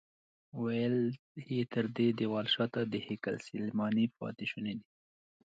ویل یې تر دې دیوال شاته د هیکل سلیماني پاتې شوني دي.